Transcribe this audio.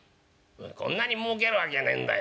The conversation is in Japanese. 「こんなにもうけるわけゃねえんだよ。